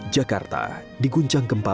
jakarta diguncang gempa